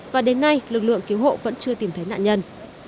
và đến nay lực lượng cứu hộ vẫn chưa tìm thấy nạn nhân